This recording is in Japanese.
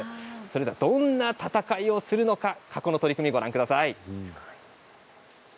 どんな戦いをするのか過去の取組をご覧ください。